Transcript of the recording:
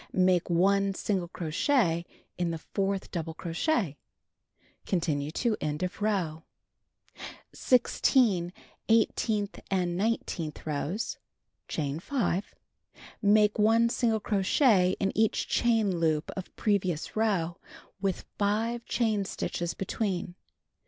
Make 1 single crochet in the fourth double crochet. Continue to end of row. 242 Knitting and Crocheting Book 16. Eighteenth and nineteenth rows: Chain 5. Make 1 single crochet in each chain loop of previous row with 5 chain stitches between.